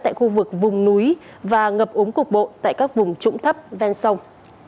tại khu vực vùng núi và ngập ống cục bộ tại các vùng trũng thấp ven sông